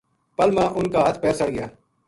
پل ما انھ کا ہتھ پیر سڑ گیا